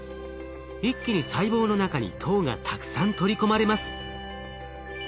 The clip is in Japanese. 一気に細胞の中に糖がたくさん取り込まれます。